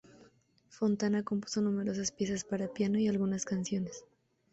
Fontana compuso numerosas piezas para piano y algunas canciones.